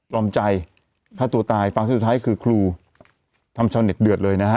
รอมใจถ้าตัวตายฟังสุดท้ายคือครูทำชาวเน็ตเดือดเลยนะฮะ